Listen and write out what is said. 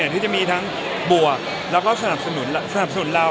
ที่จะมีทั้งบวกแล้วก็สนับสนุนเรา